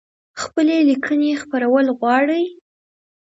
خپلي لیکنۍ خپرول غواړی؟